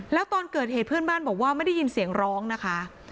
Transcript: แล้วตอนเกิดเหตุเพื่อนบ้านบอกว่าไม่ได้ยินเสียงร้องนะคะ